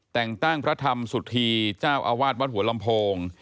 แต่งตั้งพระธรรมสุธีเจ้าอาวาสวัดหัวลำโพง